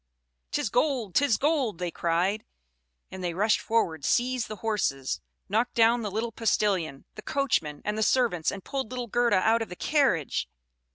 "'Tis gold! 'Tis gold!" they cried; and they rushed forward, seized the horses, knocked down the little postilion, the coachman, and the servants, and pulled little Gerda out of the carriage.